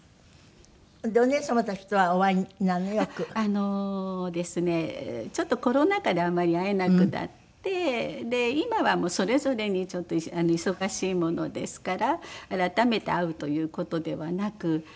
あのですねちょっとコロナ禍であんまり会えなくなって今はもうそれぞれにちょっと忙しいものですから改めて会うという事ではなく。